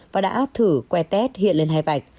và đã thử que test hiện lên hai bạch